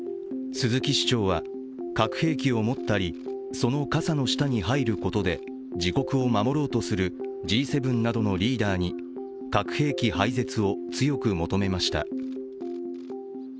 鈴木市長は核兵器を持ったりその傘の下に入ることで自国を守ろうとするＧ７のリーダーに核兵器廃絶を強く求めました。